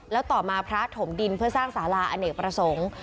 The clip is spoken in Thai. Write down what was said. แล้วต่อมาพระถมดินเพื่อสร้างสาราอเนกประสงค์